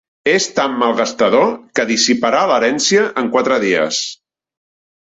És tan malgastador, que dissiparà l'herència en quatre dies.